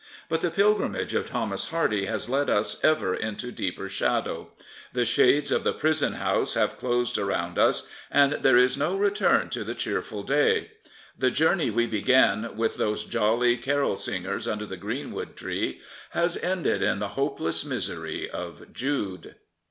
But the pilgrimage of Thomas Hardy has led us ever into deeper shadow. The shades of the prison house have closed around us and there is no return to the cheerful day. The journey we began with those jolly carol singers under the greenwood tree has ended in the hopeless misery of Jude.